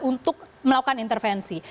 untuk melakukan intervensi